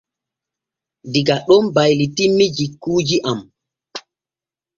Diga den baylitinmi jikuuji am.